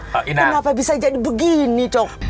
kenapa bisa jadi begini